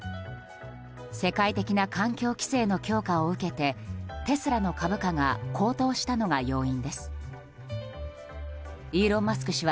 世界的な環境規制の強化を受けてテスラの株価が高騰したのが要因です。イーロン・マスク